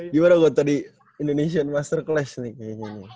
gimana buat tadi indonesian master class nih kayaknya nih